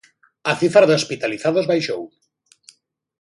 A cifra de hospitalizados baixou.